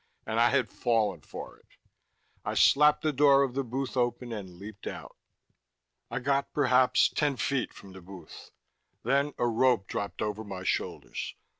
And I had fallen for it! I slapped the door of the booth open and leaped out. I got perhaps ten feet from the booth. Then a rope dropped over my shoulders.